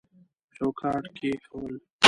چوکاټ کې کول